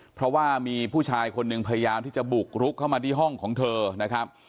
เพราะว่ามีผู้ชายคนหนึ่งพยายามที่จะบุกรุกเข้ามาที่ห้องของเธอนะครับ